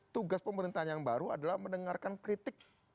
tugas pemerintahan yang baru adalah mendengarkan kritik